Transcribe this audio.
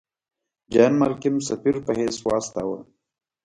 جان مالکم سفیر په حیث واستاوه.